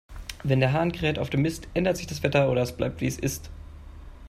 Wenn der Hahn kräht auf dem Mist, ändert sich das Wetter, oder es bleibt, wie es ist.